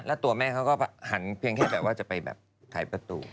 แล้วตัวแม่เขาก็หันเพียงแค่แบบว่าจะไปแบบไขประตู